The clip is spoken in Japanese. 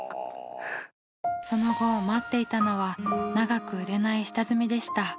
その後待っていたのは長く売れない下積みでした。